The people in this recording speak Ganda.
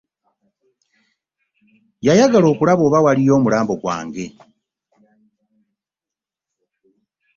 Yayagala okulaba oba waliyo omulambo gwange.